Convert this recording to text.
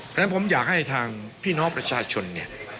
เพราะฉะนั้นผมอยากให้ทางพี่น้องประชาชนเนี่ย